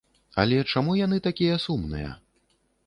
Але чаму яны такія сумныя?